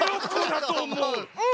うん。